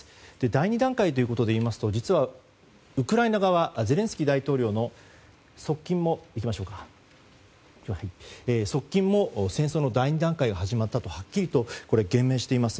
第２段階ということでいいますと実はウクライナ側ゼレンスキー大統領の側近も戦争の第２段階が始まったとはっきりと言明しています。